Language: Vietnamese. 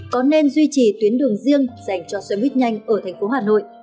có nên duy trì tuyến đường riêng dành cho xe buýt nhanh ở thành phố hà nội